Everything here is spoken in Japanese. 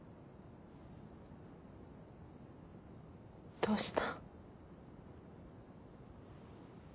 どうした？